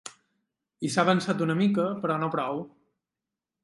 I s’ha avançat una mica, però no prou.